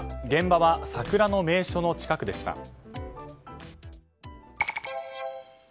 現場は桜の名所の近くでした。